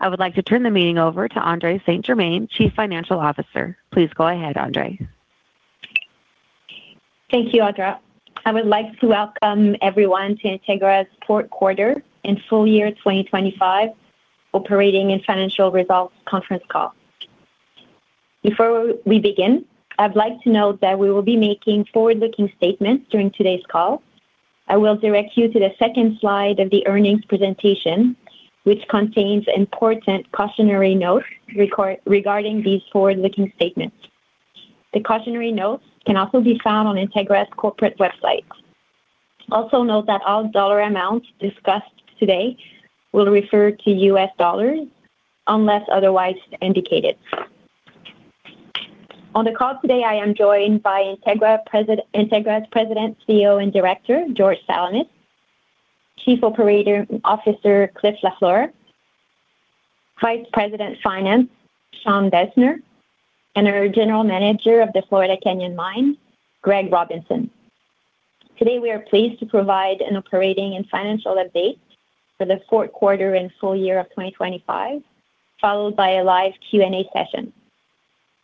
I would like to turn the meeting over to Andrée St-Germain, Chief Financial Officer. Please go ahead, Andrée. Thank you, Operator. I would like to welcome everyone to Integra's fourth quarter and full year 2025 operating and financial results conference call. Before we begin, I'd like to note that we will be making forward-looking statements during today's call. I will direct you to the second slide of the earnings presentation, which contains important cautionary notes regarding these forward-looking statements. The cautionary notes can also be found on Integra's corporate website. Also note that all dollar amounts discussed today will refer to U.S. dollars unless otherwise indicated. On the call today, I am joined by Integra's President, CEO, and Director, George Salamis; Chief Operating Officer, Clifford Lafleur; Vice President, Finance, Sean Deissner; and our General Manager of the Florida Canyon Mine, Gregory Robinson. Today, we are pleased to provide an operating and financial update for the fourth quarter and full year of 2025, followed by a live Q&A session.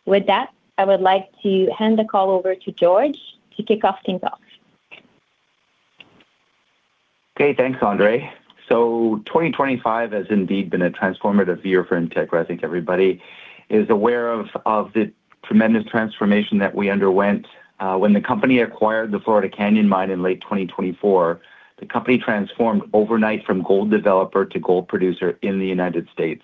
With that, I would like to hand the call over to George to kick off team talks. Okay. Thanks, Andrée. 2025 has indeed been a transformative year for Integra. I think everybody is aware of the tremendous transformation that we underwent when the company acquired the Florida Canyon Mine in late 2024. The company transformed overnight from gold developer to gold producer in the United States.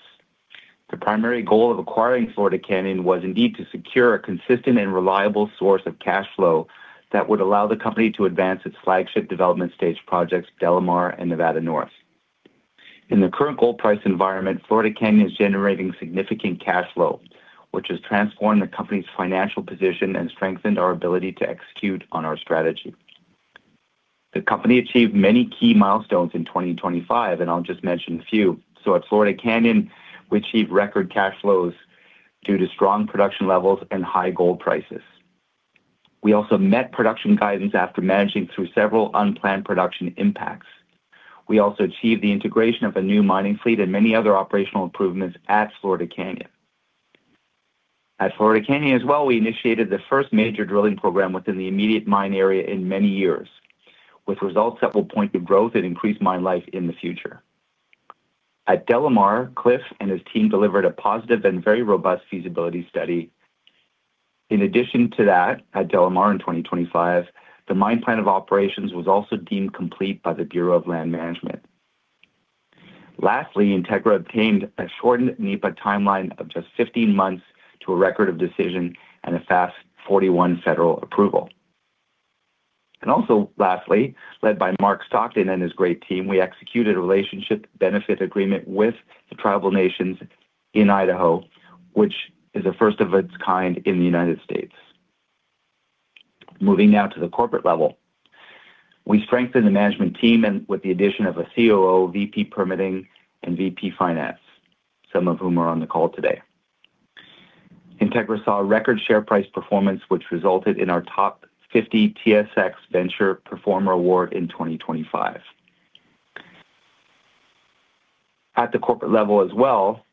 The primary goal of acquiring Florida Canyon was indeed to secure a consistent and reliable source of cash flow that would allow the company to advance its flagship development stage projects, DeLamar and Nevada North. In the current gold price environment, Florida Canyon is generating significant cash flow, which has transformed the company's financial position and strengthened our ability to execute on our strategy. The company achieved many key milestones in 2025, and I'll just mention a few. At Florida Canyon, we achieved record cash flows due to strong production levels and high gold prices. We met production guidance after managing through several unplanned production impacts. We achieved the integration of a new mining fleet and many other operational improvements at Florida Canyon. At Florida Canyon as well, we initiated the first major drilling program within the immediate mine area in many years, which resulted in several points of growth and increased mine life in the future. At DeLamar, Cliff LaFleur and his team delivered a positive and very robust feasibility study. In addition to that, at DeLamar in 2025, the mine plan of operations was also deemed complete by the Bureau of Land Management. Lastly, Integra obtained a shortened NEPA timeline of just 15 months to a record of decision and a FAST-41 federal approval. Lastly, led by Mark Stockton and his great team, we executed a relationship benefit agreement with the tribal nations in Idaho, which is a first of its kind in the United States. Moving now to the corporate level. We strengthened the management team and with the addition of a COO, VP permitting, and VP finance, some of whom are on the call today. Integra saw a record share price performance, which resulted in our top 50 TSX Venture Performer Award in 2025. At the corporate level as well,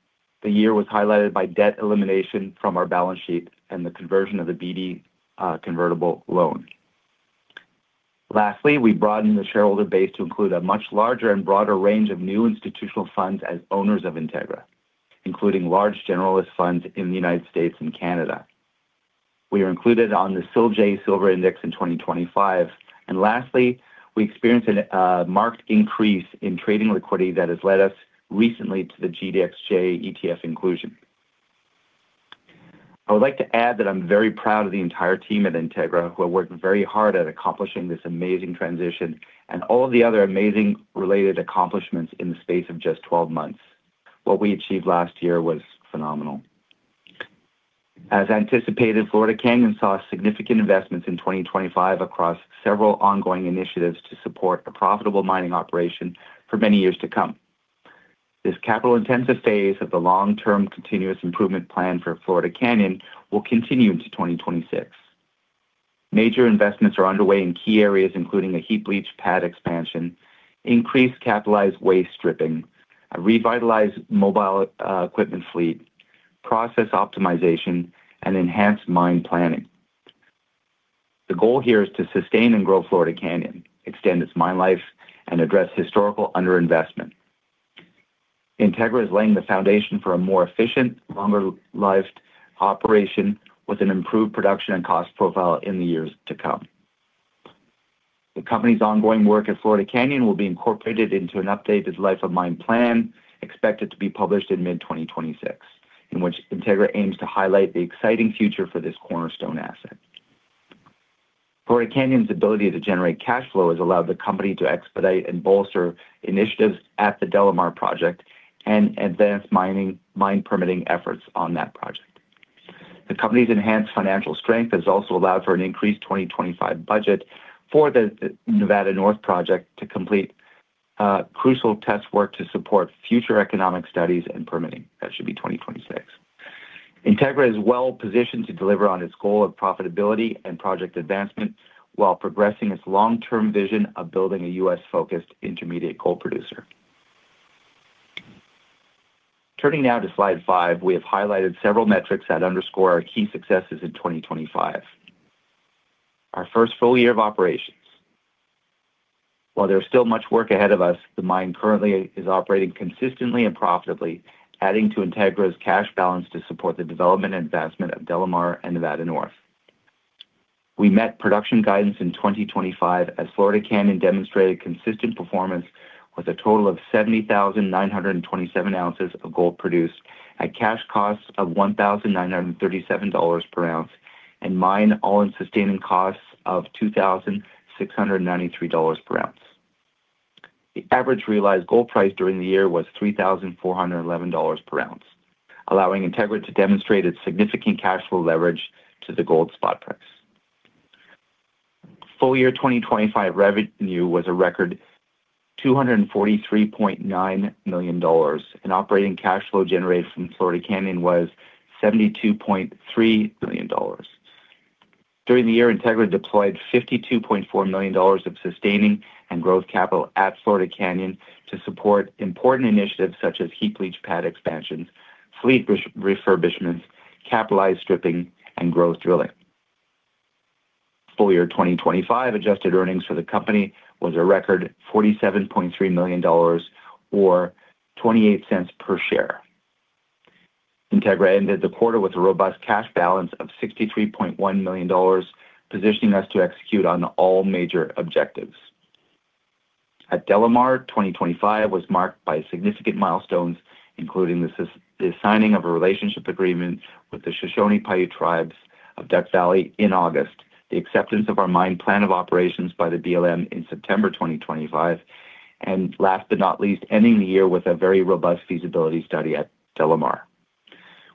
the year was highlighted by debt elimination from our balance sheet and the conversion of the Beedie convertible loan. Lastly, we broadened the shareholder base to include a much larger and broader range of new institutional funds as owners of Integra, including large generalist funds in the United States and Canada. We are included on the Solactive Global Silver Miners Index in 2025. Lastly, we experienced a marked increase in trading liquidity that has led us recently to the GDXJ ETF inclusion. I would like to add that I'm very proud of the entire team at Integra, who have worked very hard at accomplishing this amazing transition and all of the other amazing related accomplishments in the space of just 12 months. What we achieved last year was phenomenal. As anticipated, Florida Canyon saw significant investments in 2025 across several ongoing initiatives to support a profitable mining operation for many years to come. This capital-intensive phase of the long-term continuous improvement plan for Florida Canyon will continue into 2026. Major investments are underway in key areas, including a heap leach pad expansion, increased capitalized waste stripping, a revitalized mobile equipment fleet, process optimization, and enhanced mine planning. The goal here is to sustain and grow Florida Canyon, extend its mine life, and address historical underinvestment. Integra is laying the foundation for a more efficient, longer-lived operation with an improved production and cost profile in the years to come. The company's ongoing work at Florida Canyon will be incorporated into an updated life of mine plan expected to be published in mid-2026, in which Integra aims to highlight the exciting future for this cornerstone asset. Florida Canyon's ability to generate cash flow has allowed the company to expedite and bolster initiatives at the DeLamar project and advance mine permitting efforts on that project. The company's enhanced financial strength has also allowed for an increased 2025 budget for the Nevada North project to complete crucial test work to support future economic studies and permitting. That should be 2025. Integra is well positioned to deliver on its goal of profitability and project advancement while progressing its long-term vision of building a U.S.-focused intermediate gold producer. Turning now to Slide 5, we have highlighted several metrics that underscore our key successes in 2025, our first full year of operations. While there's still much work ahead of us, the mine currently is operating consistently and profitably, adding to Integra's cash balance to support the development and advancement of DeLamar and Nevada North. We met production guidance in 2025 as Florida Canyon demonstrated consistent performance with a total of 70,927 ounces of gold produced at cash costs of $1,937 per ounce and mine all-in sustaining costs of $2,693 per ounce. The average realized gold price during the year was $3,411 per ounce, allowing Integra to demonstrate its significant cash flow leverage to the gold spot price. Full year 2025 revenue was a record $243.9 million, and operating cash flow generated from Florida Canyon was $72.3 million. During the year, Integra deployed $52.4 million of sustaining and growth capital at Florida Canyon to support important initiatives such as heap leach pad expansions, fleet refurbishments, capitalized stripping, and growth drilling. Full year 2025 adjusted earnings for the company was a record $47.3 million or $0.28 per share. Integra ended the quarter with a robust cash balance of $63.1 million, positioning us to execute on all major objectives. At DeLamar, 2025 was marked by significant milestones, including the signing of a relationship agreement with the Shoshone-Paiute Tribes of the Duck Valley Reservation in August, the acceptance of our mine plan of operations by the BLM in September 2025, and last but not least, ending the year with a very robust feasibility study at DeLamar.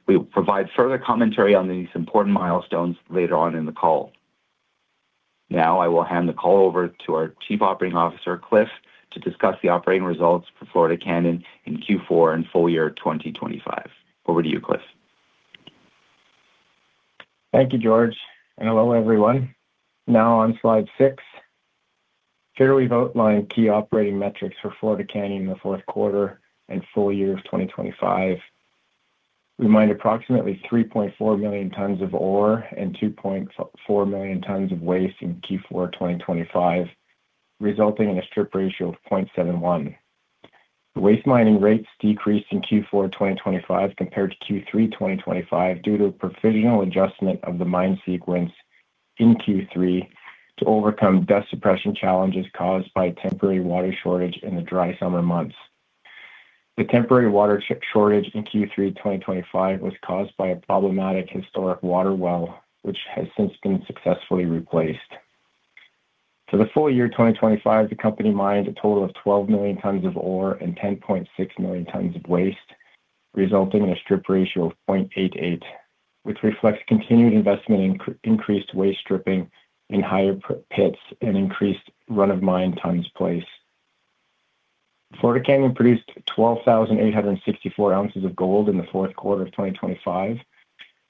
We will provide further commentary on these important milestones later on in the call. Now I will hand the call over to our Chief Operating Officer, Cliff, to discuss the operating results for Florida Canyon in Q4 and full year 2025. Over to you, Cliff. Thank you, George, and hello, everyone. Now on Slide 6, here we've outlined key operating metrics for Florida Canyon in the fourth quarter and full year of 2025. We mined approximately 3.4 million tons of ore and 2.4 million tons of waste in Q4 2025, resulting in a strip ratio of 0.71. The waste mining rates decreased in Q4 2025 compared to Q3 2025 due to a provisional adjustment of the mine sequence in Q3 to overcome dust suppression challenges caused by a temporary water shortage in the dry summer months. The temporary water shortage in Q3 2025 was caused by a problematic historic water well, which has since been successfully replaced. For the full year 2025, the company mined a total of 12 million tons of ore and 10.6 million tons of waste, resulting in a strip ratio of 0.88, which reflects continued investment in increased waste stripping in higher pits and increased run of mine tons placed. Florida Canyon produced 12,864 ounces of gold in the fourth quarter of 2025.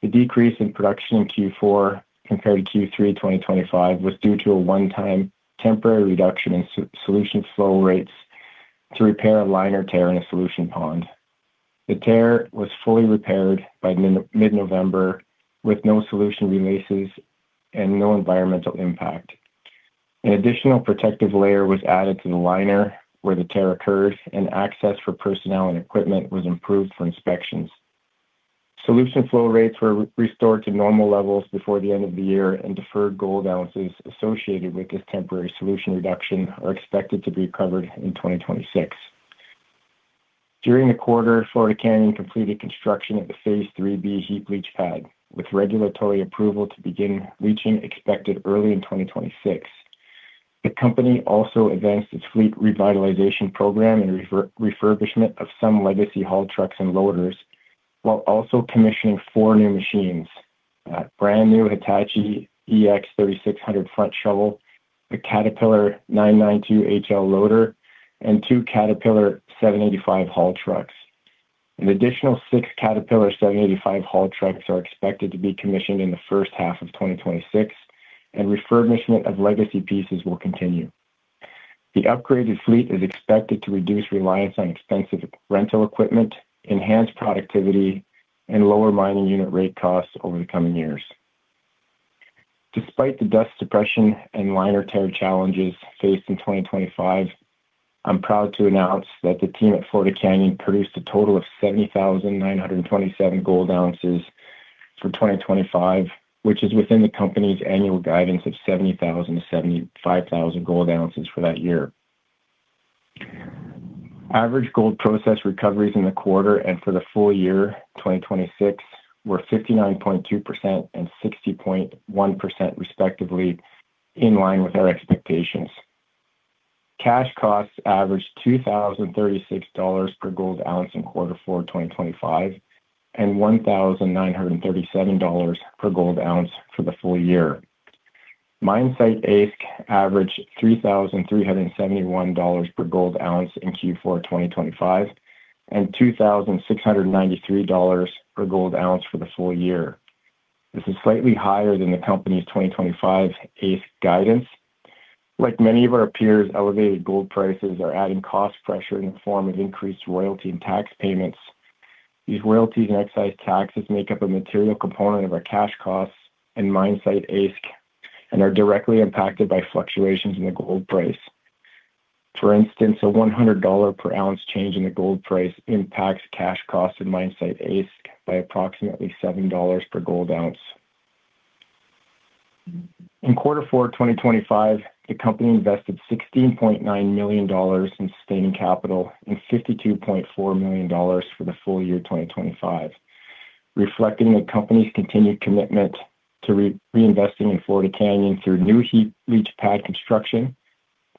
The decrease in production in Q4 compared to Q3 2025 was due to a one-time temporary reduction in solution flow rates to repair a liner tear in a solution pond. The tear was fully repaired by mid-November with no solution releases and no environmental impact. An additional protective layer was added to the liner where the tear occurred, and access for personnel and equipment was improved for inspections. Solution flow rates were restored to normal levels before the end of the year, and deferred gold ounces associated with this temporary solution reduction are expected to be recovered in 2026. During the quarter, Florida Canyon completed construction of the Phase 3B heap leach pad, with regulatory approval to begin leaching expected early in 2026. The company also advanced its fleet revitalization program and refurbishment of some legacy haul trucks and loaders while also commissioning four new machines, brand new Hitachi EX3600 front shovel, a Caterpillar 992 HL loader, and two Caterpillar 785 haul trucks. An additional six Caterpillar 785 haul trucks are expected to be commissioned in the first half of 2026, and refurbishment of legacy pieces will continue. The upgraded fleet is expected to reduce reliance on expensive rental equipment, enhance productivity, and lower mining unit rate costs over the coming years. Despite the dust suppression and liner tear challenges faced in 2025, I'm proud to announce that the team at Florida Canyon produced a total of 70,927 gold ounces for 2025, which is within the company's annual guidance of 70,000-75,000 gold ounces for that year. Average gold process recoveries in the quarter and for the full year 2026 were 59.2% and 60.1% respectively in line with our expectations. Cash costs averaged $2,036 per gold ounce in quarter four 2025 and $1,937 per gold ounce for the full year. Mine site AISC averaged $3,371 per gold ounce in Q4 2025 and $2,693 per gold ounce for the full year. This is slightly higher than the company's 2025 AISC guidance. Like many of our peers, elevated gold prices are adding cost pressure in the form of increased royalty and tax payments. These royalties and excise taxes make up a material component of our cash costs and mine site AISC, and are directly impacted by fluctuations in the gold price. For instance, a $100 per ounce change in the gold price impacts cash cost and mine site AISC by approximately $7 per gold ounce. In Q4 2025, the company invested $16.9 million in sustaining capital and $62.4 million for the full year 2025, reflecting the company's continued commitment to reinvesting in Florida Canyon through new heap leach pad construction,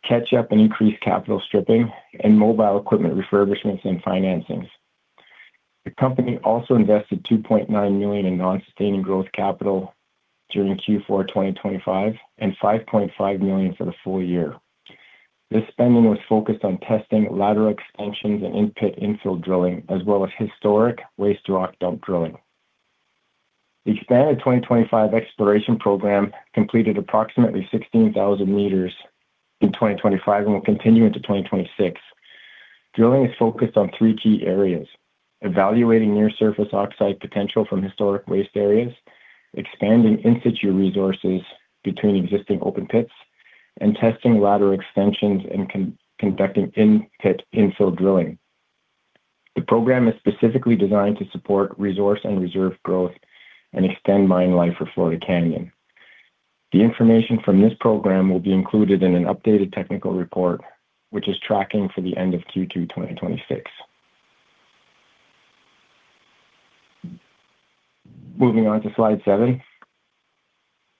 catch-up and increased capital stripping, and mobile equipment refurbishments and financings. The company also invested $2.9 million in non-sustaining growth capital during Q4 2025 and $5.5 million for the full year. This spending was focused on testing lateral extensions and in-pit infill drilling as well as historic waste rock dump drilling. The expanded 2025 exploration program completed approximately 16,000 meters in 2025 and will continue into 2026. Drilling is focused on three key areas, evaluating near surface oxide potential from historic waste areas, expanding in-situ resources between existing open pits, and testing lateral extensions and conducting in-pit infill drilling. The program is specifically designed to support resource and reserve growth and extend mine life for Florida Canyon. The information from this program will be included in an updated technical report, which is on track for the end of Q2 2026. Moving on to Slide 7.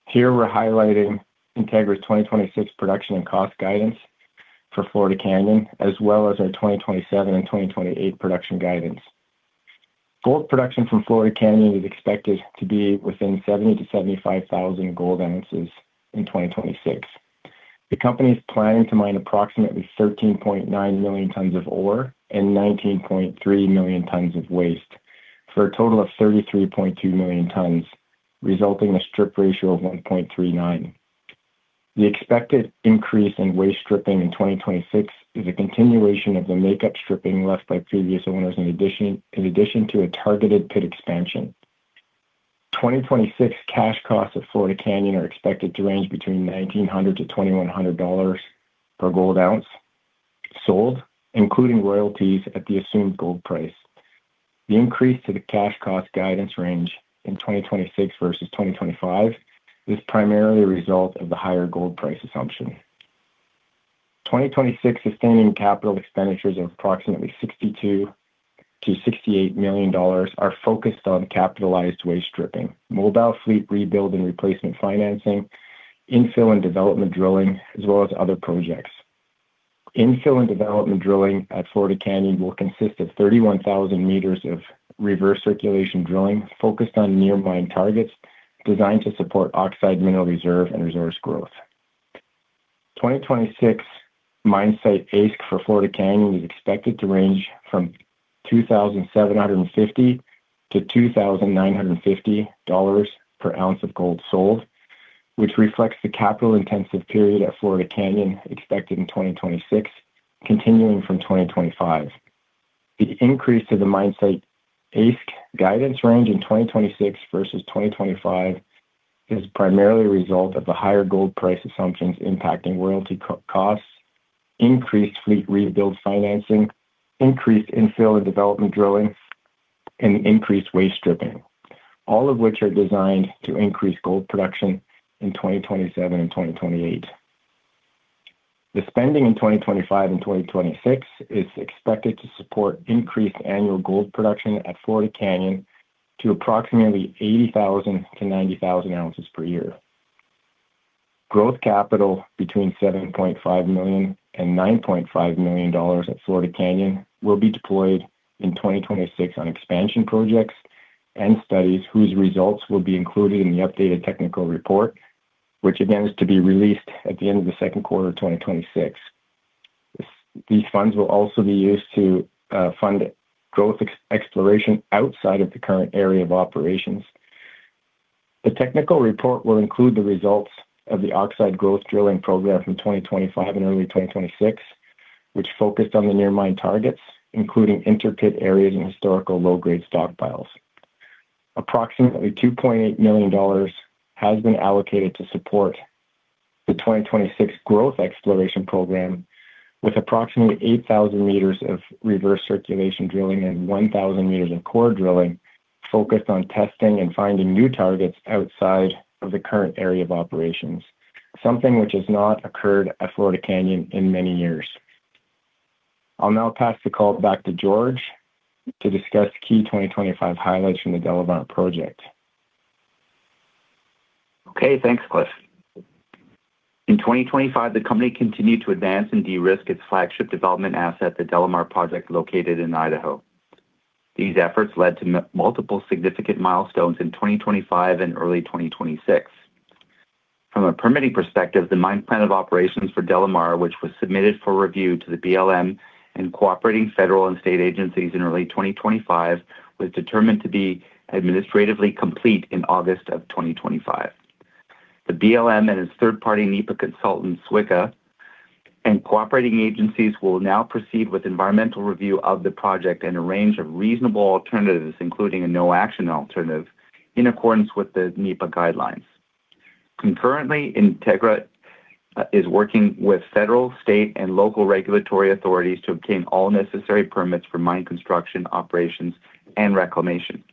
Here, we're highlighting Integra's 2026 production and cost guidance for Florida Canyon, as well as our 2027 and 2028 production guidance. Gold production from Florida Canyon is expected to be within 70,000-75,000 gold ounces in 2026. The company is planning to mine approximately 13.9 million tons of ore and 19.3 million tons of waste for a total of 33.2 million tons, resulting in a strip ratio of 1.39. The expected increase in waste stripping in 2026 is a continuation of the make-up stripping left by previous owners, in addition to a targeted pit expansion. 2026 cash costs at Florida Canyon are expected to range between $1,900-$2,100 per gold ounce sold, including royalties at the assumed gold price. The increase to the cash cost guidance range in 2026 versus 2025 is primarily a result of the higher gold price assumption. 2026 sustaining capital expenditures of approximately $62 million-$68 million are focused on capitalized waste stripping, mobile fleet rebuild and replacement financing, infill and development drilling, as well as other projects. Infill and development drilling at Florida Canyon will consist of 31,000 meters of reverse circulation drilling focused on near mine targets designed to support oxide mineral reserve and resource growth. 2026 mine site AISC for Florida Canyon is expected to range from $2,750-$2,950 per ounce of gold sold, which reflects the capital-intensive period at Florida Canyon expected in 2026, continuing from 2025. The increase to the mine site AISC guidance range in 2026 versus 2025 is primarily a result of the higher gold price assumptions impacting royalty costs, increased fleet rebuild financing, increased infill and development drilling, and increased waste stripping, all of which are designed to increase gold production in 2027 and 2028. The spending in 2025 and 2026 is expected to support increased annual gold production at Florida Canyon to approximately 80,000-90,000 ounces per year. Growth capital between $7.5 million-$9.5 million at Florida Canyon will be deployed in 2026 on expansion projects and studies whose results will be included in the updated technical report, which again is to be released at the end of the second quarter of 2026. These funds will also be used to fund growth exploration outside of the current area of operations. The technical report will include the results of the oxide growth drilling program from 2025 and early 2026, which focused on the near mine targets, including intra-pit areas and historical low-grade stockpiles. Approximately $2.8 million has been allocated to support the 2026 growth exploration program, with approximately 8,000 meters of reverse circulation drilling and 1,000 meters of core drilling focused on testing and finding new targets outside of the current area of operations, something which has not occurred at Florida Canyon in many years. I'll now pass the call back to George to discuss key 2025 highlights from the DeLamar Project. Okay, thanks, Cliff. In 2025, the company continued to advance and de-risk its flagship development asset, the DeLamar Project, located in Idaho. These efforts led to multiple significant milestones in 2025 and early 2026. From a permitting perspective, the mine plan of operations for DeLamar, which was submitted for review to the BLM and cooperating federal and state agencies in early 2025, was determined to be administratively complete in August of 2025. The BLM and its third-party NEPA consultant, SWCA, and cooperating agencies will now proceed with environmental review of the project and a range of reasonable alternatives, including a no-action alternative, in accordance with the NEPA guidelines. Concurrently, Integra is working with federal, state, and local regulatory authorities to obtain all necessary permits for mine construction, operations, and reclamation.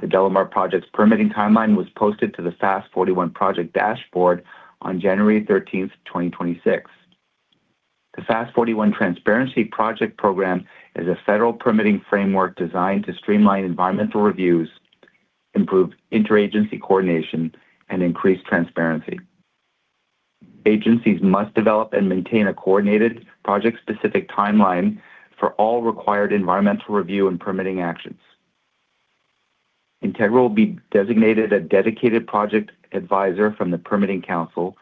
The DeLamar project's permitting timeline was posted to the FAST-41 project dashboard on January 13th, 2026. The FAST-41 Transparency Project Program is a federal permitting framework designed to streamline environmental reviews, improve interagency coordination, and increase transparency. Agencies must develop and maintain a coordinated, project-specific timeline for all required environmental review and permitting actions. Integra will be designated a dedicated project advisor from the Permitting Council,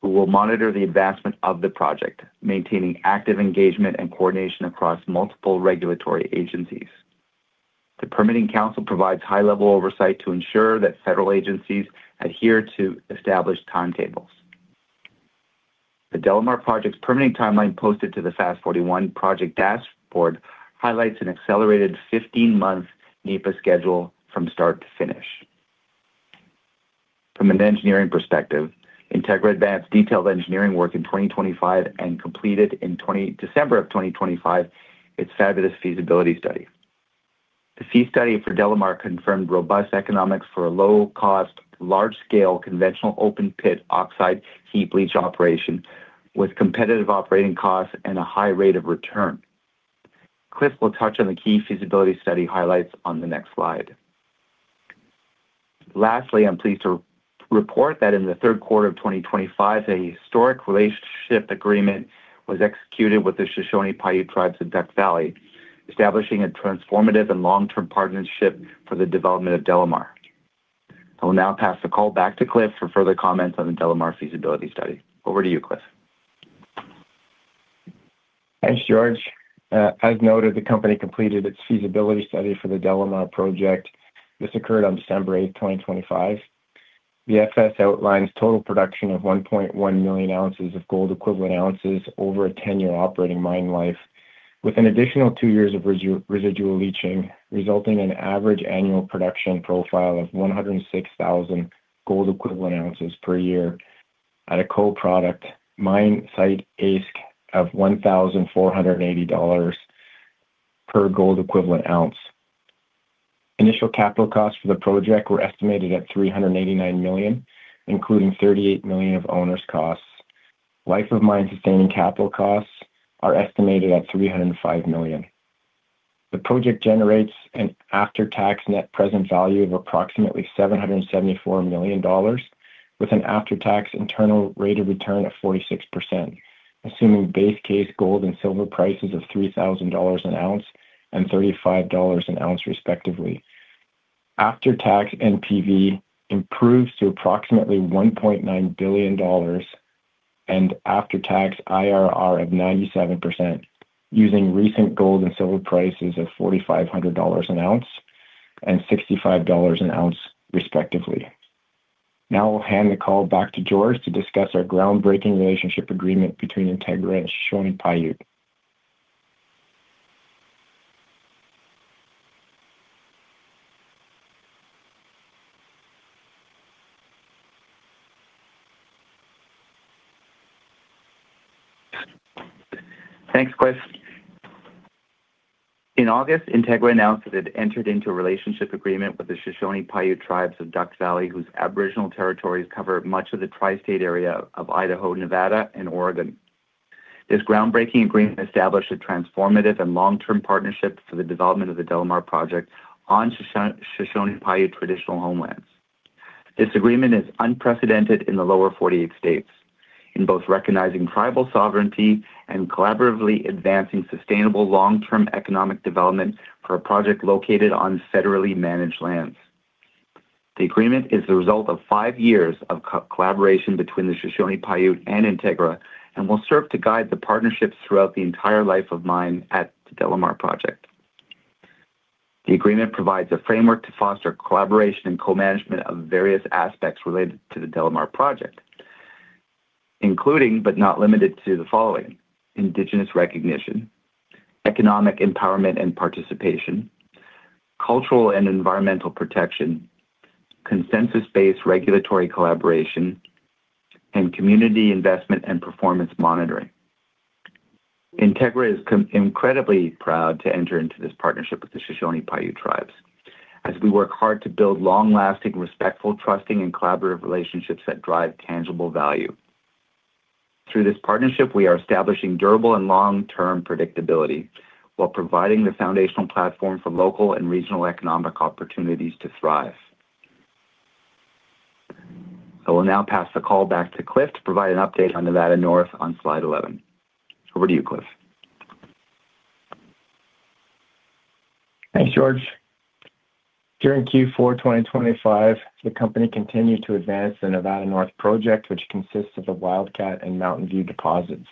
who will monitor the advancement of the project, maintaining active engagement and coordination across multiple regulatory agencies. The Permitting Council provides high-level oversight to ensure that federal agencies adhere to established timetables. The DeLamar project's permitting timeline posted to the FAST-41 project dashboard highlights an accelerated 15-month NEPA schedule from start to finish. From an engineering perspective, Integra advanced detailed engineering work in 2025 and completed in December 2025 its feasibility study. The PFS for DeLamar confirmed robust economics for a low-cost, large-scale, conventional open pit oxide heap leach operation with competitive operating costs and a high rate of return. Cliff will touch on the key feasibility study highlights on the next slide. Lastly, I'm pleased to report that in the third quarter of 2025, a historic relationship agreement was executed with the Shoshone-Paiute Tribes of the Duck Valley Reservation, establishing a transformative and long-term partnership for the development of DeLamar. I will now pass the call back to Cliff for further comments on the DeLamar feasibility study. Over to you, Cliff. Thanks, George. As noted, the company completed its feasibility study for the DeLamar project. This occurred on December 8th, 2025. The FS outlines total production of 1.1 million ounces of gold equivalent ounces over a 10-year operating mine life, with an additional two years of residual leaching, resulting in average annual production profile of 106,000 gold equivalent ounces per year at a co-product mine site AISC of $1,480 per gold equivalent ounce. Initial capital costs for the project were estimated at $389 million, including $38 million of owner's costs. Life of mine sustaining capital costs are estimated at $305 million. The project generates an after-tax net present value of approximately $774 million with an after-tax internal rate of return of 46%, assuming base case gold and silver prices of $3,000 an ounce and $35 an ounce respectively. After-tax NPV improves to approximately $1.9 billion and after-tax IRR of 97% using recent gold and silver prices of $4,500 an ounce and $65 an ounce respectively. Now I'll hand the call back to George to discuss our groundbreaking relationship agreement between Integra and Shoshone-Paiute. Thanks, Cliff. In August, Integra announced that it entered into a relationship agreement with the Shoshone-Paiute Tribes of the Duck Valley Reservation, whose aboriginal territories cover much of the tri-state area of Idaho, Nevada, and Oregon. This groundbreaking agreement established a transformative and long-term partnership for the development of the DeLamar project on Shoshone-Paiute traditional homelands. This agreement is unprecedented in the lower forty-eight states in both recognizing tribal sovereignty and collaboratively advancing sustainable long-term economic development for a project located on federally managed lands. The agreement is the result of five years of co-collaboration between the Shoshone-Paiute and Integra and will serve to guide the partnership throughout the entire life of mine at the DeLamar project. The agreement provides a framework to foster collaboration and co-management of various aspects related to the DeLamar project, including, but not limited to indigenous recognition, economic empowerment and participation, cultural and environmental protection, consensus-based regulatory collaboration, and community investment and performance monitoring. Integra is incredibly proud to enter into this partnership with the Shoshone-Paiute Tribes as we work hard to build long-lasting, respectful, trusting, and collaborative relationships that drive tangible value. Through this partnership, we are establishing durable and long-term predictability while providing the foundational platform for local and regional economic opportunities to thrive. I will now pass the call back to Cliff to provide an update on Nevada North on Slide 11. Over to you, Cliff. Thanks, George. During Q4 2025, the company continued to advance the Nevada North project, which consists of the Wildcat and Mountain View deposits.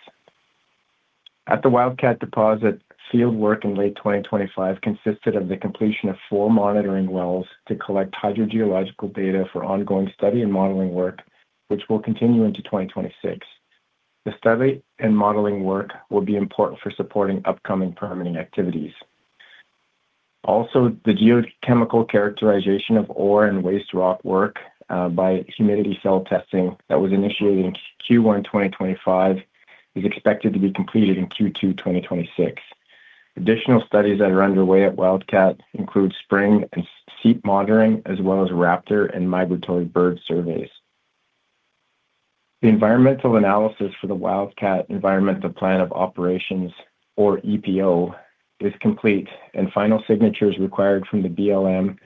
At the Wildcat deposit, field work in late 2025 consisted of the completion of four monitoring wells to collect hydrogeological data for ongoing study and modeling work, which will continue into 2026. The study and modeling work will be important for supporting upcoming permitting activities. Also, the geochemical characterization of ore and waste rock work by humidity cell testing that was initiated in Q1 2025 is expected to be completed in Q2 2026. Additional studies that are underway at Wildcat include spring and seep monitoring, as well as raptor and migratory bird surveys. The environmental analysis for the Wildcat Environmental Plan of Operations, or EPO, is complete, and final signatures required from the BLM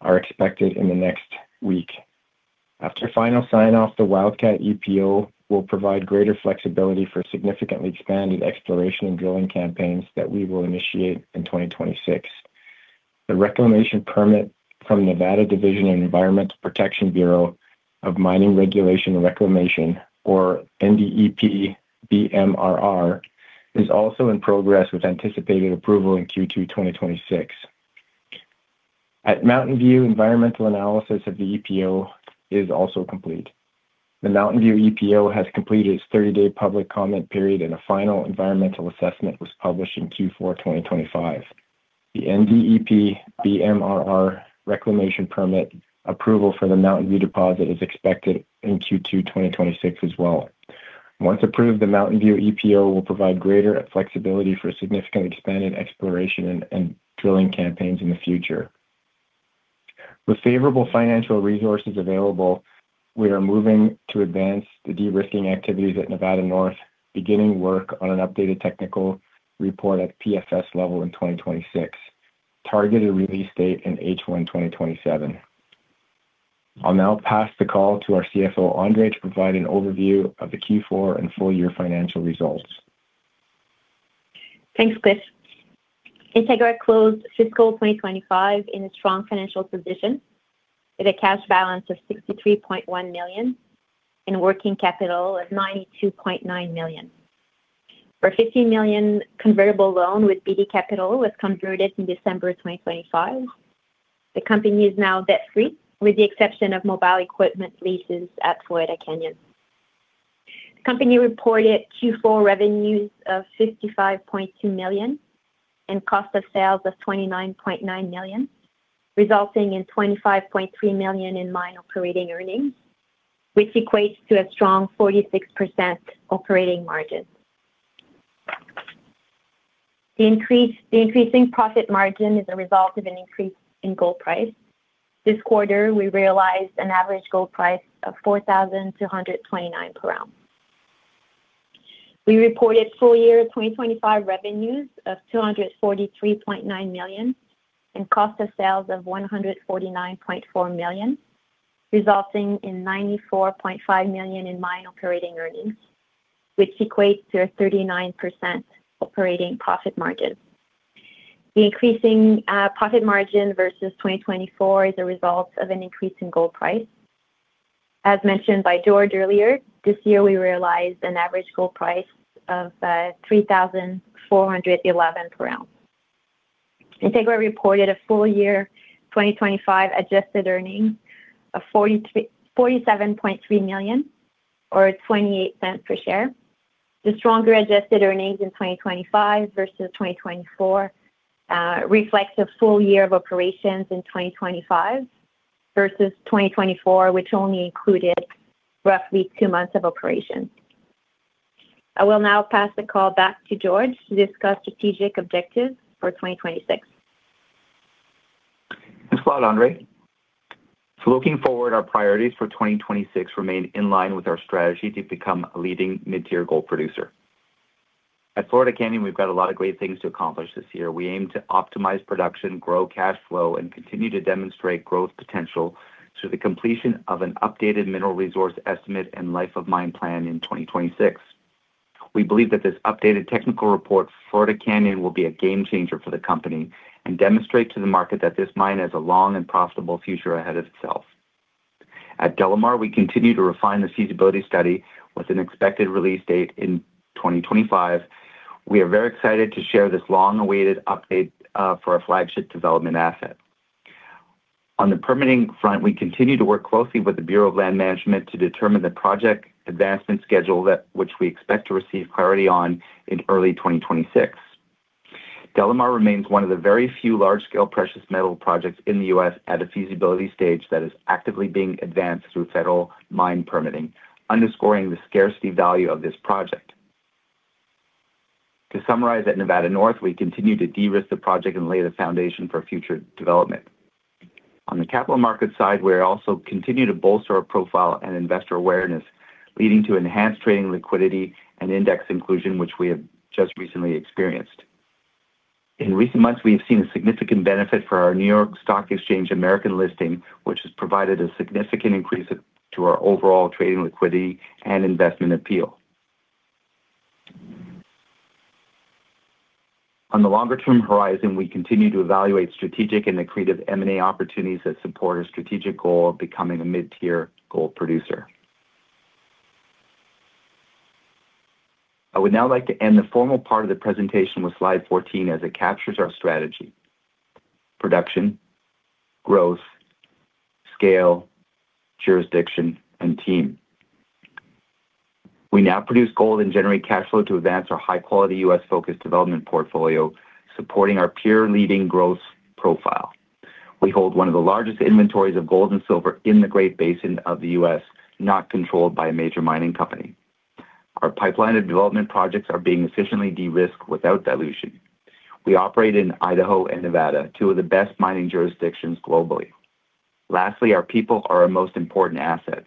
are expected in the next week. After final sign-off, the Wildcat EPO will provide greater flexibility for significantly expanded exploration and drilling campaigns that we will initiate in 2026. The reclamation permit from Nevada Division of Environmental Protection, Bureau of Mining Regulation and Reclamation, or NDEP BMRR, is also in progress with anticipated approval in Q2 2026. At Mountain View, environmental analysis of the EPO is also complete. The Mountain View EPO has completed its 30-day public comment period, and a final environmental assessment was published in Q4 2025. The NDEP BMRR reclamation permit approval for the Mountain View deposit is expected in Q2 2026 as well. Once approved, the Mountain View EPO will provide greater flexibility for significantly expanded exploration and drilling campaigns in the future. With favorable financial resources available, we are moving to advance the de-risking activities at Nevada North, beginning work on an updated technical report at PFS level in 2026. Targeted release date in H1, 2027. I'll now pass the call to our CFO, Andrée, to provide an overview of the Q4 and full year financial results. Thanks, Cliff. Integra closed fiscal 2025 in a strong financial position with a cash balance of $63.1 million and working capital of $92.9 million. Our $50 million convertible loan with Beedie Capital was converted in December 2025. The company is now debt-free, with the exception of mobile equipment leases at Florida Canyon. The company reported Q4 revenues of $55.2 million and cost of sales of $29.9 million, resulting in $25.3 million in mine operating earnings, which equates to a strong 46% operating margin. The increasing profit margin is a result of an increase in gold price. This quarter, we realized an average gold price of $4,229 per ounce. We reported full year 2025 revenues of $243.9 million and cost of sales of $149.4 million, resulting in $94.5 million in mine operating earnings, which equates to a 39% operating profit margin. The increasing profit margin versus 2024 is a result of an increase in gold price. As mentioned by George earlier, this year, we realized an average gold price of $3,411 per ounce. Integra reported a full year 2025 adjusted earnings of $47.3 million or $0.28 per share. The stronger adjusted earnings in 2025 versus 2024 reflects a full year of operations in 2025 versus 2024, which only included roughly two months of operation. I will now pass the call back to George to discuss strategic objectives for 2026. Thanks a lot, Andrée. Looking forward, our priorities for 2026 remain in line with our strategy to become a leading mid-tier gold producer. At Florida Canyon, we've got a lot of great things to accomplish this year. We aim to optimize production, grow cash flow, and continue to demonstrate growth potential through the completion of an updated mineral resource estimate and life of mine plan in 2026. We believe that this updated technical report for Florida Canyon will be a game-changer for the company and demonstrate to the market that this mine has a long and profitable future ahead of itself. At DeLamar, we continue to refine the feasibility study with an expected release date in 2025. We are very excited to share this long-awaited update for our flagship development asset. On the permitting front, we continue to work closely with the Bureau of Land Management to determine the project advancement schedule which we expect to receive priority on in early 2026. DeLamar remains one of the very few large-scale precious metal projects in the U.S. at a feasibility stage that is actively being advanced through federal mine permitting, underscoring the scarcity value of this project. To summarize at Nevada North, we continue to de-risk the project and lay the foundation for future development. On the capital market side, we also continue to bolster our profile and investor awareness, leading to enhanced trading liquidity and index inclusion, which we have just recently experienced. In recent months, we have seen a significant benefit for our NYSE American listing, which has provided a significant increase in our overall trading liquidity and investment appeal. On the longer-term horizon, we continue to evaluate strategic and accretive M&A opportunities that support our strategic goal of becoming a mid-tier gold producer. I would now like to end the formal part of the presentation with Slide 14 as it captures our strategy. Production, growth, scale, jurisdiction, and team. We now produce gold and generate cash flow to advance our high-quality U.S.-focused development portfolio, supporting our peer-leading growth profile. We hold one of the largest inventories of gold and silver in the Great Basin of the U.S. not controlled by a major mining company. Our pipelined development projects are being efficiently de-risked without dilution. We operate in Idaho and Nevada, two of the best mining jurisdictions globally. Lastly, our people are our most important asset.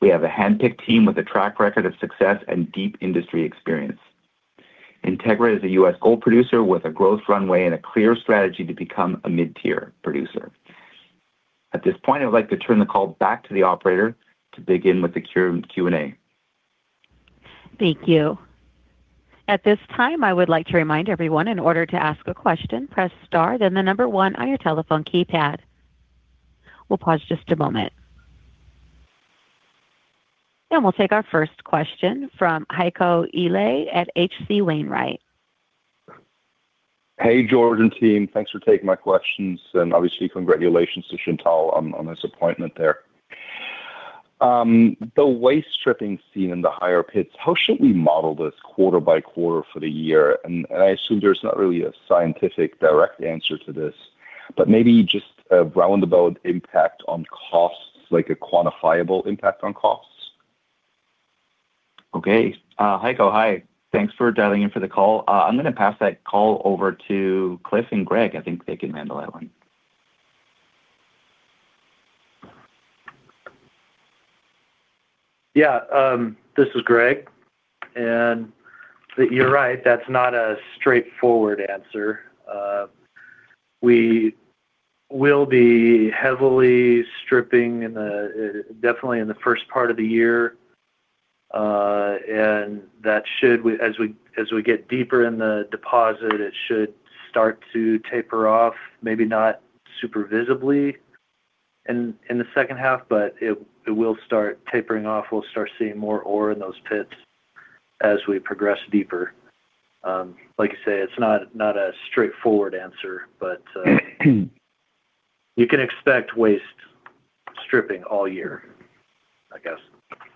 We have a handpicked team with a track record of success and deep industry experience. Integra is a U.S. gold producer with a growth runway and a clear strategy to become a mid-tier producer. At this point, I would like to turn the call back to the operator to begin with the Q&A. Thank you. At this time, I would like to remind everyone, in order to ask a question, press star then the number one on your telephone keypad. We'll pause just a moment. We'll take our first question from Heiko Ihle at H.C. Wainwright. Hey, George and team. Thanks for taking my questions, and obviously congratulations to Chantal on this appointment there. The waste stripping seen in the higher pits, how should we model this quarter by quarter for the year? I assume there's not really a scientific direct answer to this, but maybe just a roundabout impact on costs, like a quantifiable impact on costs. Okay. Heiko, hi. Thanks for dialing in for the call. I'm gonna pass that call over to Cliff and Greg. I think they can handle that one. Yeah, this is Greg. You're right, that's not a straightforward answer. We will be heavily stripping definitely in the first part of the year. As we get deeper in the deposit, it should start to taper off, maybe not super visibly in the second half, but it will start tapering off. We'll start seeing more ore in those pits as we progress deeper. Like you say, it's not a straightforward answer, but you can expect waste stripping all year, I guess.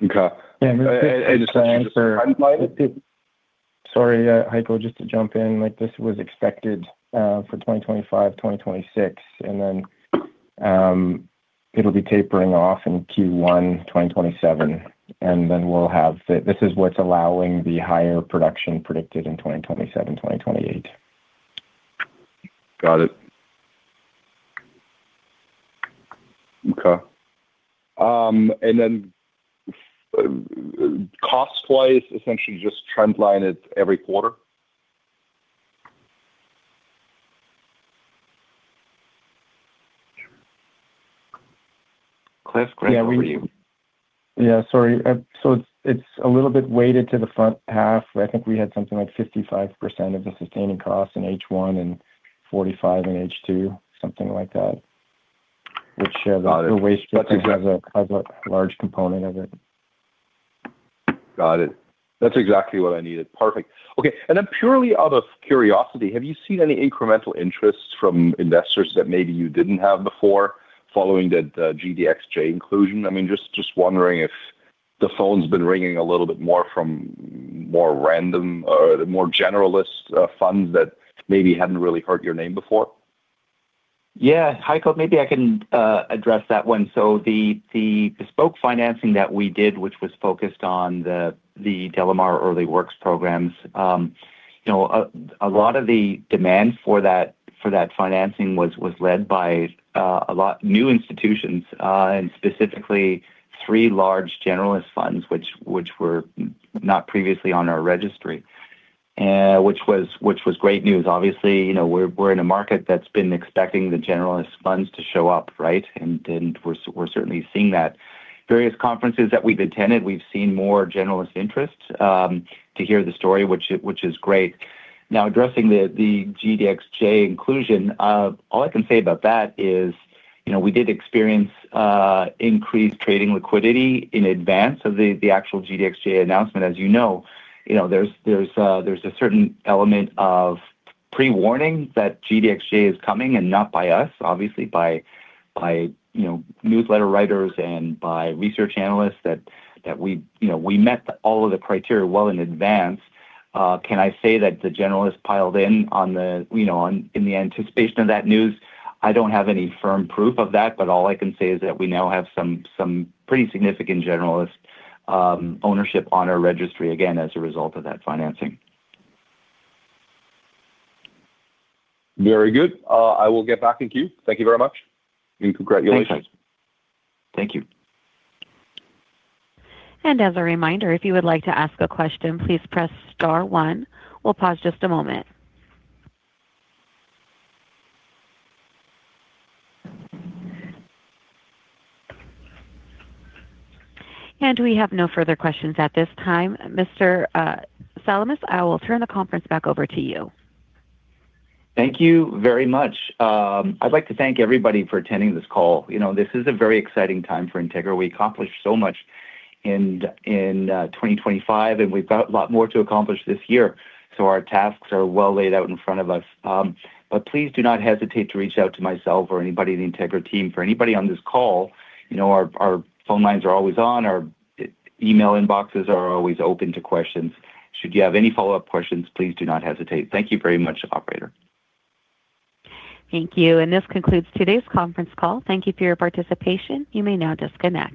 Okay. Yeah. Just to answer- I'm fine with it. Sorry, Heiko, just to jump in. Like, this was expected for 2025, 2026. Then, it'll be tapering off in Q1 2027. This is what's allowing the higher production predicted in 2027, 2028. Got it. Okay. Cost-wise, essentially just trend line it every quarter? Cliff, Greg, over to you. It's a little bit weighted to the front half. I think we had something like 55% of the sustaining costs in H1 and 45% in H2, something like that. Which, the waste stripping has a large component of it. Got it. That's exactly what I needed. Perfect. Okay, and then purely out of curiosity, have you seen any incremental interest from investors that maybe you didn't have before following the GDXJ inclusion? I mean, just wondering if the phone's been ringing a little bit more from more random or the more generalist funds that maybe hadn't really heard your name before. Yeah. Heiko, maybe I can address that one. The bespoke financing that we did, which was focused on the DeLamar early works programs, you know, a lot of the demand for that financing was led by a lot of new institutions and specifically three large generalist funds which were not previously on our registry. Which was great news. Obviously, you know, we're in a market that's been expecting the generalist funds to show up, right? We're certainly seeing that. Various conferences that we've attended, we've seen more generalist interest to hear the story, which is great. Now addressing the GDXJ inclusion, all I can say about that is, you know, we did experience increased trading liquidity in advance of the actual GDXJ announcement. As you know, there's a certain element of pre-warning that GDXJ is coming and not by us, obviously. By you know newsletter writers and by research analysts that we you know met all of the criteria well in advance. Can I say that the generalists piled in in the anticipation of that news? I don't have any firm proof of that, but all I can say is that we now have some pretty significant generalist ownership on our registry again as a result of that financing. Very good. I will get back in queue. Thank you very much, and congratulations. Thanks. Thank you. As a reminder, if you would like to ask a question, please press star one. We'll pause just a moment. We have no further questions at this time. Mr. Salamis, I will turn the conference back over to you. Thank you very much. I'd like to thank everybody for attending this call. You know, this is a very exciting time for Integra. We accomplished so much in 2025, and we've got a lot more to accomplish this year. Our tasks are well laid out in front of us. Please do not hesitate to reach out to myself or anybody in the Integra team. For anybody on this call, you know, our phone lines are always on, our email inboxes are always open to questions. Should you have any follow-up questions, please do not hesitate. Thank you very much, operator. Thank you. This concludes today's conference call. Thank you for your participation. You may now disconnect.